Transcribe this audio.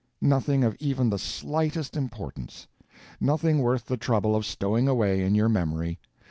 Nothing of even the slightest importance. Nothing worth the trouble of stowing away in your memory.